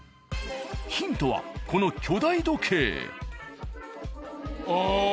［ヒントはこの巨大時計］